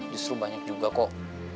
justru banyak juga kok